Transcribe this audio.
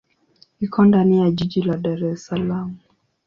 Iko ndani ya jiji la Dar es Salaam.